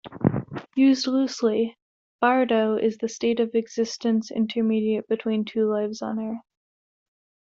Used loosely, "bardo" is the state of existence intermediate between two lives on earth.